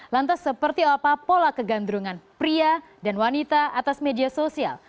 lantas seperti apa pola kegandrungan pria dan wanita atas media sosial